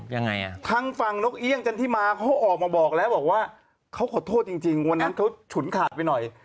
ยังไงอ่ะทางฝั่งนกเอี่ยงจันทิมาเขาออกมาบอกแล้วบอกว่าเขาขอโทษจริงจริงวันนั้นเขาฉุนขาดไปหน่อย